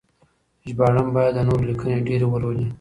ژباړن باید د نورو لیکنې ډېرې ولولي.